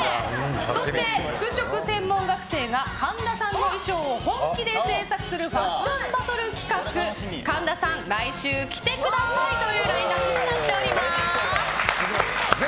そして服飾専門学生が神田さんの衣装を本気で制作するファッションバトル企画神田さん、来週着てください！というラインアップです。